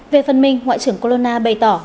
về phần mình ngoại trưởng colonna bày tỏ